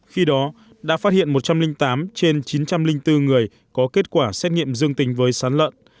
khi đó đã phát hiện một trăm linh tám trên chín trăm linh bốn người có kết quả xét nghiệm dương tính với sán lợn